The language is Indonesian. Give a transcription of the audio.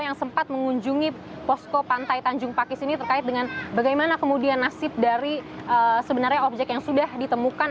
yang sempat mengunjungi posko pantai tanjung pakis ini terkait dengan bagaimana kemudian nasib dari sebenarnya objek yang sudah ditemukan